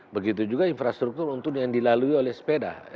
begitu juga infrastruktur untuk yang dilalui oleh sepeda